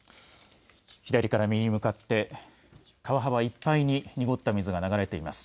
左から右へ向かって、川幅いっぱいに濁った水が流れています。